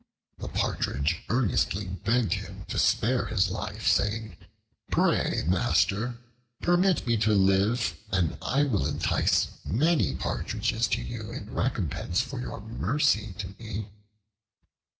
The Partridge earnestly begged him to spare his life, saying, "Pray, master, permit me to live and I will entice many Partridges to you in recompense for your mercy to me."